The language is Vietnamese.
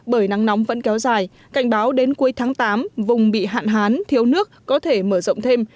bởi nắng nóng vẫn kéo dài cảnh báo đến cuối tháng tám vùng bị hạn hán thiếu nước có thể mở rộng thêm